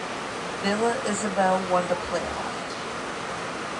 Villa Isabel won the playoff.